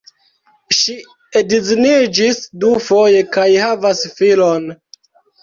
Ŝi edziniĝis dufoje kaj havas filon.